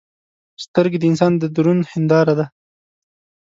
سترګې د انسان د درون هنداره ده